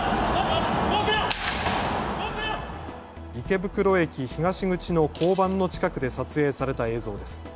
池袋駅東口の交番の近くで撮影された映像です。